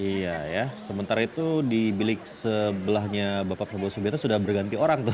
iya ya sementara itu di bilik sebelahnya bapak prabowo subianto sudah berganti orang tuh